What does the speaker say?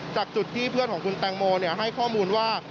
จากจุดที่เพื่อนของคุณแตงโมให้ข้อมูลว่า